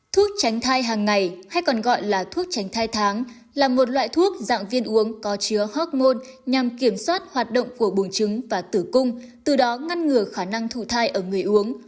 thuốc tránh thai hàng ngày hay còn gọi là thuốc tránh thai tháng là một loại thuốc dạng viên uống có chứa hoc mon nhằm kiểm soát hoạt động của bùn trứng và tử cung từ đó ngăn ngừa khả năng thù thai ở người uống